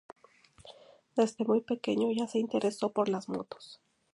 Desde muy pequeño ya se interesó por las motos.